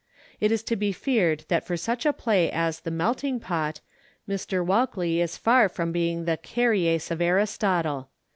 It is to be feared that for such a play as The Melting Pot Mr. Walkley is far from being the χαρίεις of Aristotle.